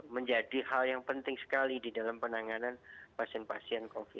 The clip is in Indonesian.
menjadi hal yang penting sekali di dalam penanganan pasien pasien covid sembilan belas